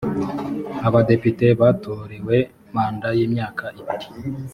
aba depite batorewe manda y’imyaka ibiri